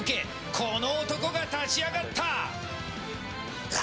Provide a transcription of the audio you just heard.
この男が立ち上がった。